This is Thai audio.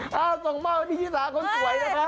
ก็ส่งมาพี่ชิสาคนสวยนะครับ